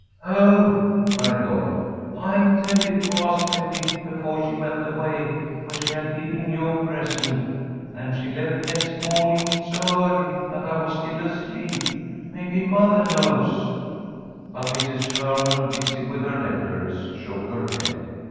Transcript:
"Oh," cried Lloyd, "I intended to ask Betty befoah she went away where she had hidden yoah present, and she left next mawning so early that I was still asleep. Maybe mothah knows." But Mrs. Sherman, busy with her letters, shook her head.